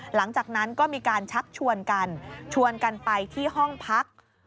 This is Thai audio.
หลังจากนั้นก็มีการชักชวนกันชวนกันไปที่ห้องพัก